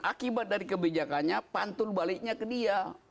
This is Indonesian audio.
akibat dari kebijakannya pantul baliknya ke dia